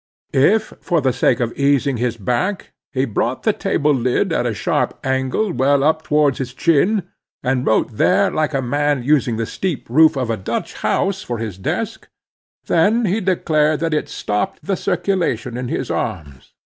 If, for the sake of easing his back, he brought the table lid at a sharp angle well up towards his chin, and wrote there like a man using the steep roof of a Dutch house for his desk:—then he declared that it stopped the circulation in his arms.